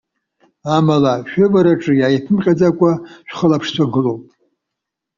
Амала, шәывараҿы иааиԥмырҟьаӡакәа шәхылаԥшцәа гылоуп.